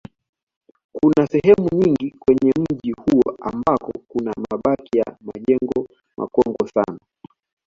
Kuna sehemu nyingi kwenye mji huu ambako kuna mabaki ya majengo makongwe sana